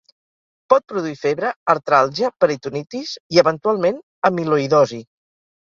Pot produir febre, artràlgia, peritonitis i eventualment amiloïdosi.